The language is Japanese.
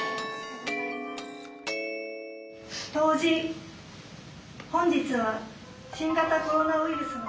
答辞本日は新型コロナウイルスの。